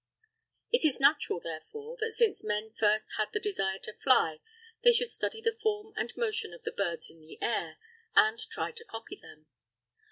It is natural, therefore, that since men first had the desire to fly they should study the form and motions of the birds in the air, and try to copy them.